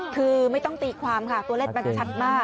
คือไม่ต้องตีความค่ะตัวเลขมันจะชัดมาก